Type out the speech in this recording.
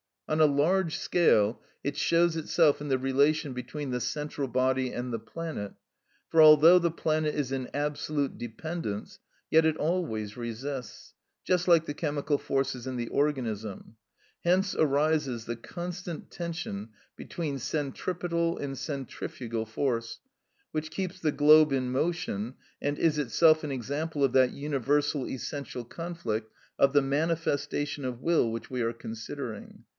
On a large scale it shows itself in the relation between the central body and the planet, for although the planet is in absolute dependence, yet it always resists, just like the chemical forces in the organism; hence arises the constant tension between centripetal and centrifugal force, which keeps the globe in motion, and is itself an example of that universal essential conflict of the manifestation of will which we are considering.